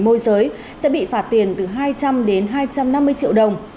môi giới sẽ bị phạt tiền từ hai trăm linh đến hai trăm năm mươi triệu đồng